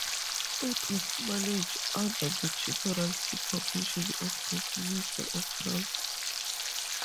It was managed under the general supervision of the Minister of Health.